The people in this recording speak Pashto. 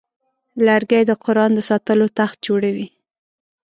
لرګی د قرآن د ساتلو تخت جوړوي.